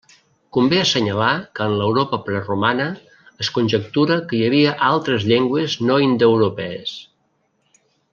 Convé assenyalar que en l'Europa preromana es conjectura que hi havia altres llengües no indoeuropees.